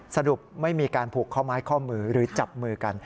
สรุปไม่มีการผูกข้อไม้ข้อมือหรือจับมือกัน